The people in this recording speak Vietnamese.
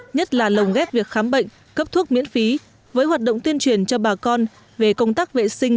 nhất là lồng ghép việc khám bệnh cấp thuốc miễn phí với hoạt động tuyên truyền cho bà con về công tác vệ sinh